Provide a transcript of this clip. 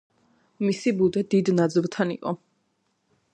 მისი ბუდე დიდ ნაძვთან იყო.